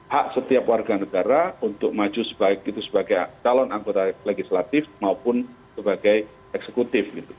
hak setiap warga negara untuk maju sebaik itu sebagai calon anggota legislatif maupun sebagai eksekutif